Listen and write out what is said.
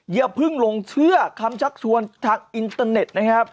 อย่าเพิ่งลงเชื่อคำชักชวนทางอินเตอร์เน็ตนะครับ